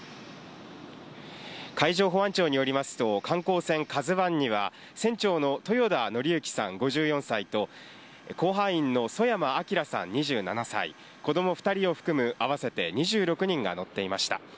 海上保安庁によりますと、観光船カズワンには、船長の豊田徳幸さん５４歳と、甲板員の曽山聖さん２７歳、子ども２人を含む合わせて２６人が乗っていました。